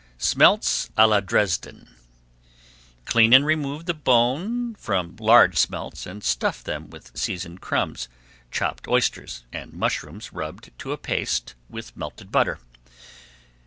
SMELTS À LA DRESDEN Clean and remove the bone from large smelts and stuff them with seasoned crumbs, chopped oysters, and mushrooms rubbed to a paste with melted butter.